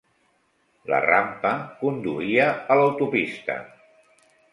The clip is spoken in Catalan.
La rampa conduïa a l'autopista.